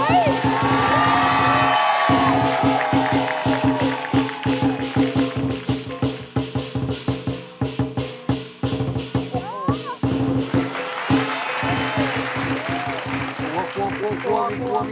มันมีชื่อวิทย์